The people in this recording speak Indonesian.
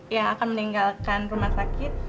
yang akan meninggalkan rumah sakit